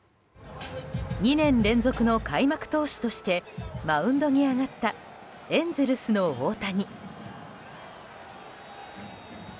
２年連続の開幕投手としてマウンドに上がったエンゼルスの大谷。